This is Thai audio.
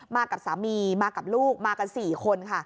มากับสามีมากับลูกมากัน๔คนค่ะ